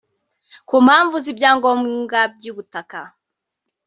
ku mpamvu z’ ibyangombwa by’ ubutaka